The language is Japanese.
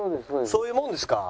そういうもんですか？